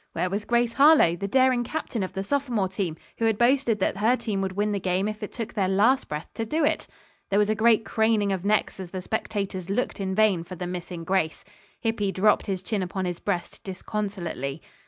Where was Grace Harlowe, the daring captain of the sophomore team, who had boasted that her team would win the game if it took their last breath to do it? There was a great craning of necks as the spectators looked in vain for the missing Grace. Hippy dropped his chin upon his breast disconsolately.